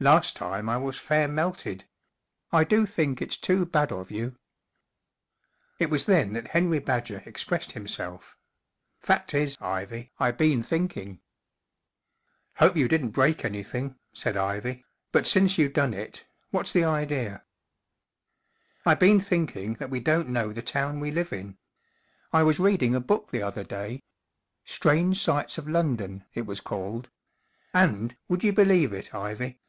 Last time I was fair melted. I do think it's too bad of you/ 1 It was then that Henry Badger expressed himself* " Fact is. Ivy* 1 been thinking/' " Hope you didn't break anything," said Ivy* " but since you done it, what's the ideer ? fJ u I been thinking that we don't know the town %ve live in. I was reading a book the other day* 1 Strange Sights of London/ it was called. And, w ould you believe it* Ivy